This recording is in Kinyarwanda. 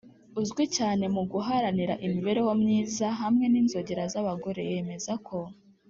uzwi cyane mu guharanira imibereho myiza hamwe n’inzogera z’abagore yemeza ko,